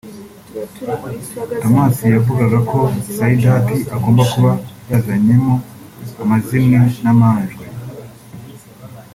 Tomasi yavugaga ko Saidati agomba kuba yazanyemo amazimwe n’amanjwe